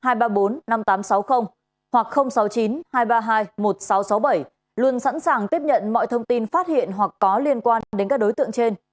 cơ quan cảnh sát điều tra bộ công an sáu mươi chín hai trăm ba mươi bốn sáu nghìn tám trăm sáu mươi bảy luôn sẵn sàng tiếp nhận mọi thông tin phát hiện hoặc có liên quan đến các đối tượng trên